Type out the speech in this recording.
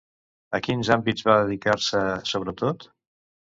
A quins àmbits va dedicar-se, sobretot?